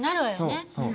そうそう。